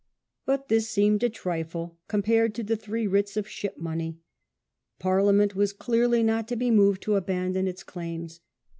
But this seemed a trifle compared to the three writs of Ship money. Parliament was clearly not to be moved to abandon its claims.